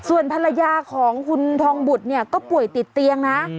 ส่วนภรรยาของคุณทองบุตรเนี่ยก็ป่วยติดเตียงนะ